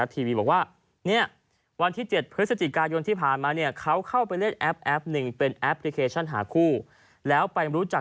ไทยรัฐทีวีบอกว่า